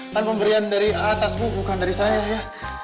dan pemberian dari atas bukan dari saya ya